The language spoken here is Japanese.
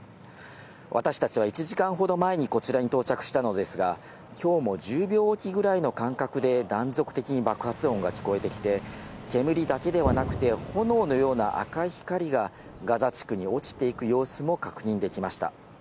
私たちは１時間ほど前にこちらに到着したのですが、きょうも１０秒置きぐらいの間隔で断続的に爆発音が聞こえてきて、煙だけではなくて、炎のような赤い光がガザ地区に落ちていく様子も確認できました。